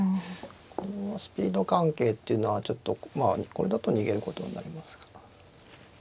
これはスピード関係っていうのはちょっとまあこれだと逃げることになりますか。